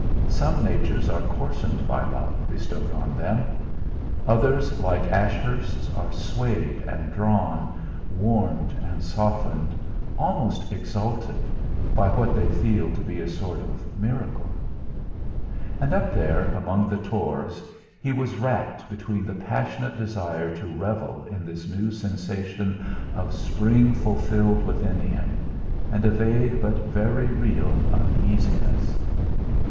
Some natures are coarsened by love bestowed on them; others, like Ashurst's, are swayed and drawn, warmed and softened, almost exalted, by what they feel to be a sort of miracle. And up there among the tors he was racked between the passionate desire to revel in this new sensation of spring fulfilled within him, and a vague but very real uneasiness.